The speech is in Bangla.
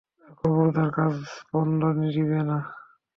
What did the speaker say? আর খবরদার কাজ বন্ধ দিবে না।